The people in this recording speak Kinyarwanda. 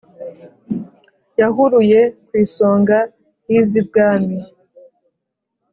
yahuruye ku isonga y’iz’ibwami